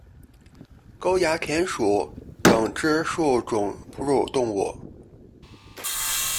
沟牙田鼠属等之数种哺乳动物。